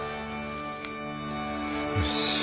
よし。